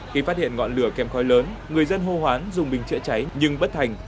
khi phát hiện ngọn lửa kèm khói lớn người dân hô hoán dùng bình chữa cháy nhưng bất thành